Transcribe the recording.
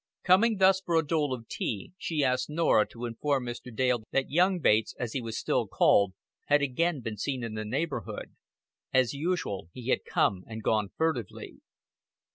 Coming thus for a dole of tea, she asked Norah to inform Mr. Dale that young Bates as he was still called had again been seen in the neighborhood. As usual, he had come and gone furtively.